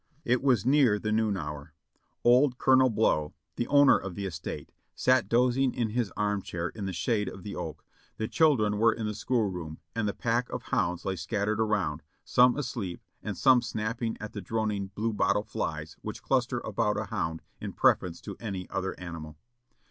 It was near the noon hour; old Colonel Blow, the owner of the estate, sat dozing in his armchair in the shade of the oak, the children were in the school room and the pack of hounds lay scattered around, some asleep and some snapping at the droning blue bottle flies which cluster about a hound in preference to any other animal.